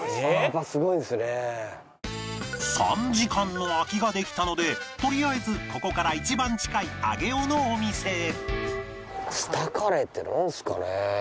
３時間の空きができたのでとりあえずここから一番近い上尾のお店へ